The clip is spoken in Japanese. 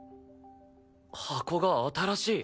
箱が新しい。